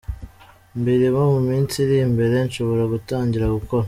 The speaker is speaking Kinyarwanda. Mbirimo mu minsi iri imbere nshobora gutangira gukora !».